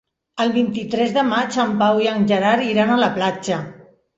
El vint-i-tres de maig en Pau i en Gerard iran a la platja.